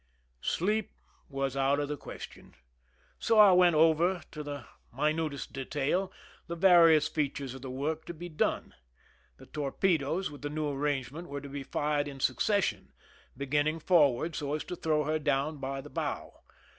Sleep was out of the question, so I went over, to ^ the minutest detail, the various features of the work to be done. The torpedoes, with the new arrange ment, were to be fired in succession, beginning for ward so as to throw her down by the bow.